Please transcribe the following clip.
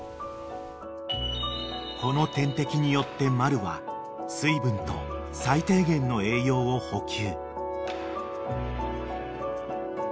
［この点滴によってマルは水分と最低限の栄養を補給］